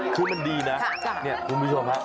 คือมันดีครับคุณผู้ชมครับ